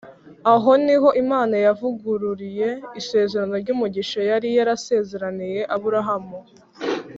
aho ni ho imana yavugururiye isezerano ry’umugisha yari yarasezeraniye aburahamu,